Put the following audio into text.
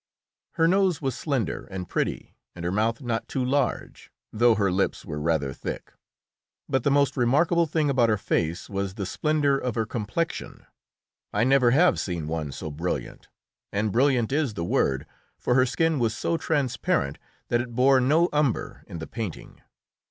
Her nose was slender and pretty, and her mouth not too large, though her lips were rather thick. But the most remarkable thing about her face was the splendour of her complexion. I never have seen one so brilliant, and brilliant is the word, for her skin was so transparent that it bore no umber in the painting.